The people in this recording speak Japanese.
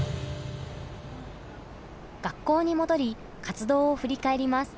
学校に戻り活動を振り返ります。